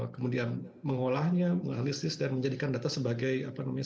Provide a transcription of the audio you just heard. kemudian mengolahnya menganalisis dan menjadikan data sebagai apa namanya